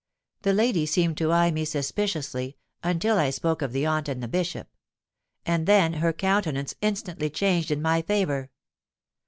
The lady seemed to eye me suspiciously until I spoke of the aunt and the Bishop; and then her countenance instantly changed in my favour.